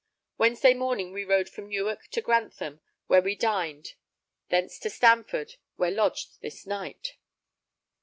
Wednesday morning we rode from Newark to Grantham where we dined; thence to Stamford, where lodged this night.